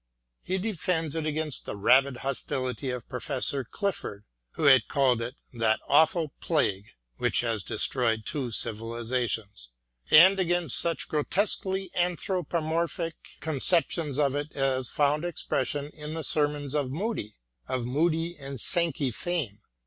He defends it against the rabid hostility of Professor Clifford, who had called it " that awful plague which has destroyed two civilisations," and against such grotesquely anthropomorphic igo MATTHEW ARNOLD conceptions of it as found expression in the sermons of Moody^ — of Moody and Sankey fame.